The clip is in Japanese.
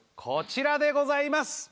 こちらでございます。